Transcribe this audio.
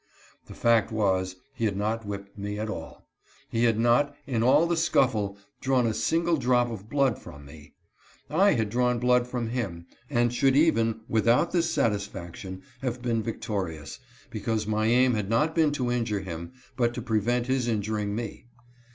The fact was, he had not whipped me at all. He had not, in all the scuffle, drawn a single drop of blood from me. I had drawn blood from him, and should even without this satisfaction have been victo rious, because my aim had not been to injure him, but to prevent his injuring me.